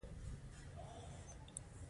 هغوی د سمندر په خوا کې تیرو یادونو خبرې کړې.